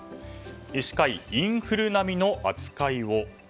医師会、インフル並みの扱いを。